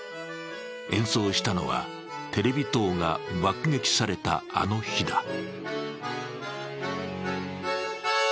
演奏したのはテレビ塔が爆撃された、あの日だ。